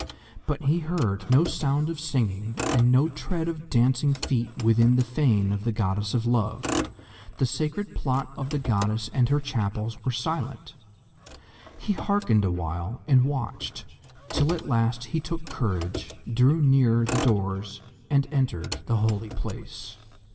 But he heard no sound of singing and no tread of dancing feet within the fane of the Goddess of Love; the sacred plot of the goddess and her chapels were silent. He hearkened awhile, and watched, till at last he took courage, drew near the doors, and entered the holy place.